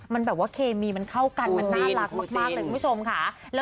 มันแบบว่าเคมีมันเข้ากันมันน่ารักมากเลยคุณผู้ชมค่ะ